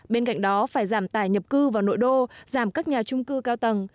bên cạnh đó phải giảm tải nhập cư vào nội đô giảm các nhà chung cư cao tầng